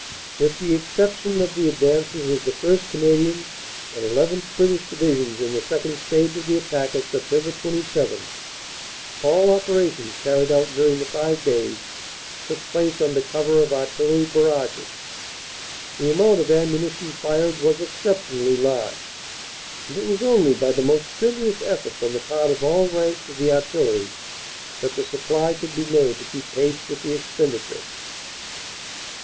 "With the exception of the advances of the 1st. Canadian and llth. (British) Divisions in the second stage of the attack of Sept. 27, all operations carried out during the five days took place under cover of Artillery barrages. The amount of am munition fired was exceptionally large, and it was only by the most strenuous efforts on the part of all ranks of the Artillery that the supply could be made to keep pace with the expendi ture.